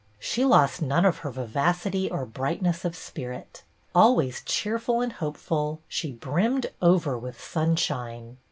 She lost none of her vivacity or brightness of spirit; always cheerful and hopeful, she brimmed over with sunshine.